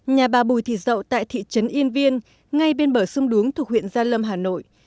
nhà bà bùi thị dậu tại thị trấn yên viên ngay bên bờ sông đuống thuộc huyện gia lâm hà nội